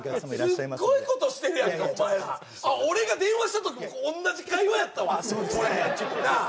すっごいことしてるやんかお前ら俺が電話した時も同じ会話やったわこれなあ？